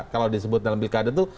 kalau disebut dalam pilkada itu